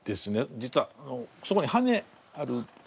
実はそこに羽根あるでしょ。